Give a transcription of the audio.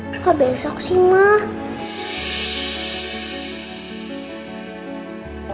gak besok sih mak